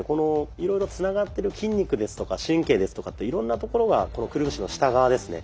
いろいろつながってる筋肉ですとか神経ですとかっていろんなところがこのくるぶしの下側ですね